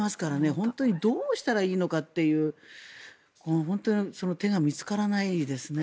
本当にどうしたらいいのかというその手が見つからないですね。